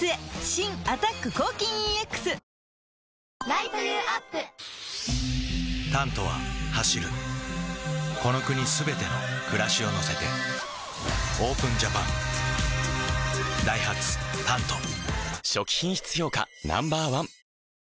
新「アタック抗菌ＥＸ」「タント」は走るこの国すべての暮らしを乗せてＯＰＥＮＪＡＰＡＮダイハツ「タント」初期品質評価